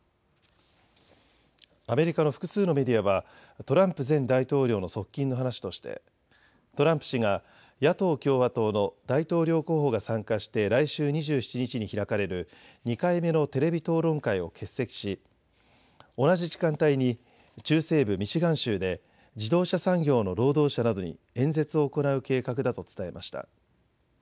アメリカの複数のメディアはトランプ前大統領の側近の話としてトランプ氏が野党・共和党の大統領候補が参加して来週２７日に開かれる２回目のテレビ討論会を欠席し同じ時間帯に中西部ミシガン州で自動車産業の労働者などに演説を行う計画だと伝えました。